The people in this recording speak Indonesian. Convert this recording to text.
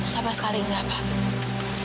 sama sekali nggak pak